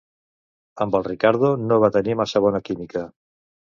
Amb el Riccardo no va tenir massa bona química.